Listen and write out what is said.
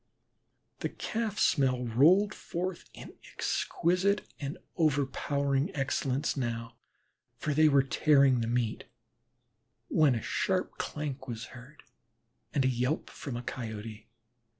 The Calf smell rolled forth in exquisite and overpowering excellence now, for they were tearing the meat, when a sharp clank was heard and a yelp from a Coyote.